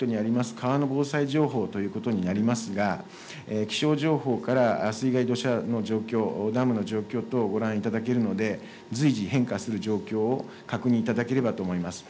川の防災情報ということになりますが、気象情報から水害土砂の状況、ダムの状況等ご覧いただけるので、随時変化する状況を確認いただければと思います。